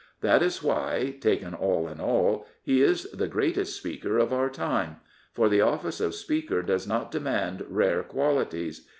That is why, taken all in all, he is the greatest Speaker of our time. For the oflSce of Speaker does not demand rare qualities.